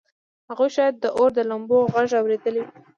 هغوی شاید د اور د لمبو غږ اورېدلی و